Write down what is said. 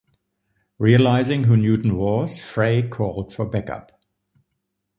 Realizing who Newton was, Frey called for backup.